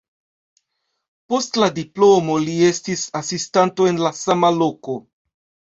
Post la diplomo li estis asistanto en la sama loko.